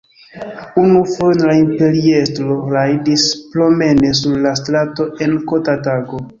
Unu fojon la imperiestro rajdis promene sur la strato en kota tago.